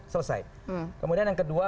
selesai kemudian yang kedua